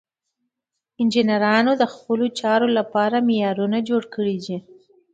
انجینرانو د خپلو چارو لپاره معیارونه جوړ کړي دي.